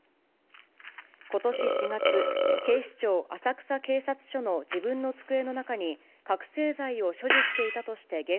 ことし４月、警視庁浅草警察署の自分の机の中に覚醒剤を所持していたとして現